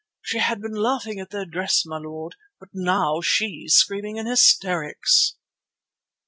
She had been laughing at their dress, my lord, but now she's screaming in hysterics."